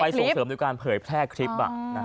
คืออย่าไปส่งเสริมโดยการเผยแพร่คลิป